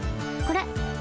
これ。